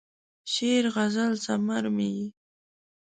شعر، غزل ثمر مې یې